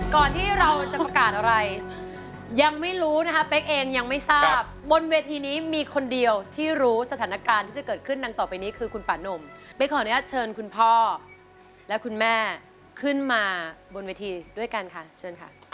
ก่อนที่เราจะประกาศอะไรยังไม่รู้นะคะเป๊กเองยังไม่ทราบบนเวทีนี้มีคนเดียวที่รู้สถานการณ์ที่จะเกิดขึ้นดังต่อไปนี้คือคุณป่านุ่มเป๊กขออนุญาตเชิญคุณพ่อและคุณแม่ขึ้นมาบนเวทีด้วยกันค่ะเชิญค่ะ